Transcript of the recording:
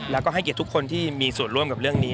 แล้วก็ให้เกียรติทุกคนที่มีส่วนร่วมกับเรื่องนี้